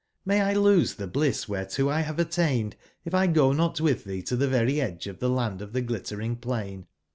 jVIay 1 lose tbe bliss whereto X have attain ed, if 1 go not with thee to tbe very edge of tbe land of the Glittering plain.